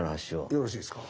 よろしいですか？